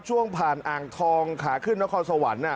ช่วงผ่านอ่างทองขาขึ้นนครสวรรค์